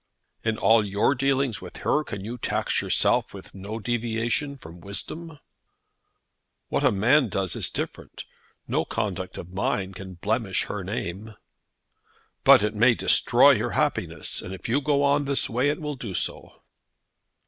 "In all your dealings with her, can you tax yourself with no deviation from wisdom?" "What a man does is different. No conduct of mine can blemish her name." "But it may destroy her happiness, and if you go on in this way it will do so."